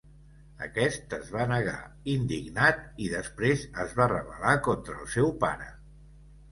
Aquest es va negar indignat i, després, es va rebel·lar contra el seu pare.